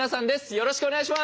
よろしくお願いします。